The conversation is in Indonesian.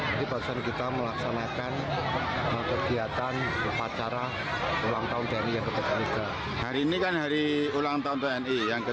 jadi barusan kita melaksanakan pergiatan upacara ulang tahun tni yang ke tujuh puluh tiga